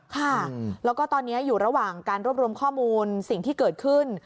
ค่ะแล้วก็ตอนนี้อยู่ระหว่างการรวบรวมข้อมูลสิ่งที่เกิดขึ้น